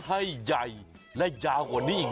ให้ใหญ่และยาวกว่านี้อีก